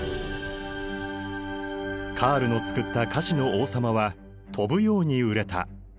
カールの作った菓子の王様は飛ぶように売れた。